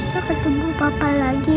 sampai ketemu papa lagi ya